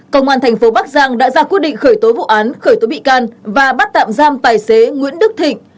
công an tp bắc giang đã ra quyết định khởi tối vụ án khởi tối bị can và bắt tạm giam tài xế nguyễn đức thịnh